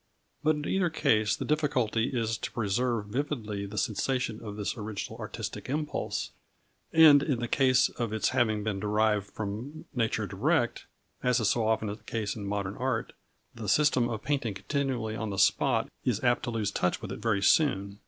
But in either case the difficulty is to preserve vividly the sensation of this original artistic impulse. And in the case of its having been derived from nature direct, as is so often the case in modern art, the system of painting continually on the spot is apt to lose touch with it very soon.